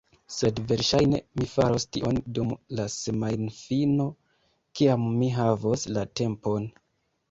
Sed verŝajne mi faros tion dum la semajnfino kiam mi havos la tempon.